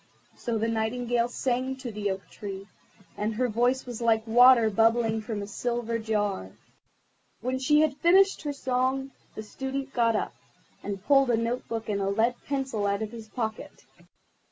So the Nightingale sang to the Oak tree, and her voice was like water bubbling from a silver jar. When she had finished her song the Student got up, and pulled a note book and a lead pencil out of his pocket.